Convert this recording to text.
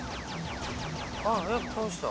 あっやっぱ倒した。